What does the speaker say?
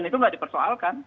dan itu nggak dipersoalkan